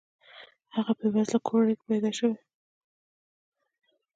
هغه په بې وزله کورنۍ کې پیدا شوی.